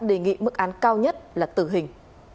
đề nghị mức án cao nhất là tử hình